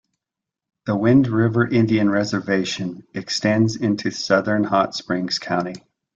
The Wind River Indian Reservation extends into southern Hot Springs County.